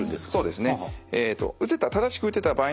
そうですね。